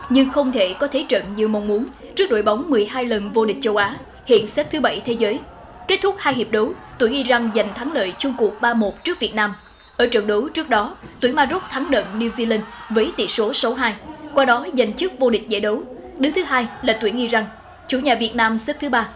nói dành trước vô địch giải đấu đứa thứ hai là tuyển iran chủ nhà việt nam xếp thứ ba